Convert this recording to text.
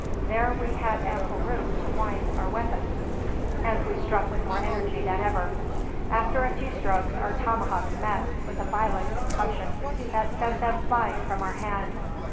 There we had ample room to wind our weapons, and we struck with more energy than ever. After a few strokes, our tomahawks met, with a violent concussion, that sent them flying from our hands.